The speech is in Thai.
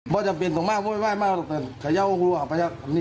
ผมเป็นคนที่สั่งมาหามเขากัน